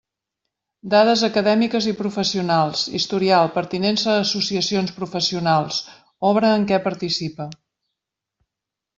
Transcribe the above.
Dades acadèmiques i professionals: historial, pertinença a associacions professionals, obra en què participa.